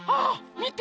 みて！